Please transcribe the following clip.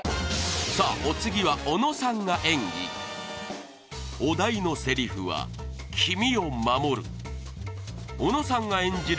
さあお次は小野さんが演技お題のセリフは小野さんが演じる